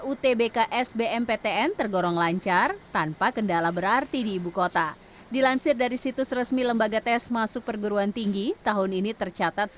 utbks bmptn tergorong lancar tanpa kendala berarti di ibukota dilansir dari situs resmi lembaga tes